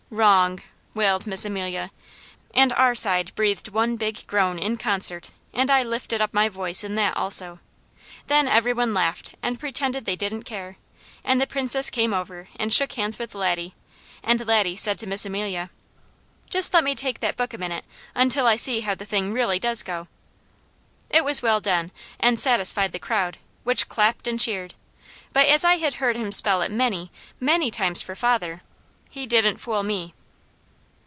"Wrong!" wailed Miss Amelia, and our side breathed one big groan in concert, and I lifted up my voice in that also. Then every one laughed and pretended they didn't care, and the Princess came over and shook hands with Laddie, and Laddie said to Miss Amelia: "Just let me take that book a minute until I see how the thing really does go." It was well done and satisfied the crowd, which clapped and cheered; but as I had heard him spell it many, many times for father, he didn't fool me.